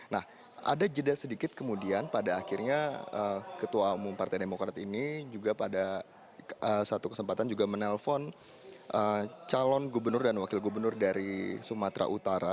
nah ada jeda sedikit kemudian pada akhirnya ketua umum partai demokrat ini juga pada satu kesempatan juga menelpon calon gubernur dan wakil gubernur dari sumatera utara